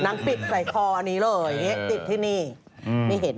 นางปิดใส่คออันนี้เลยติดที่นี่ไม่เห็น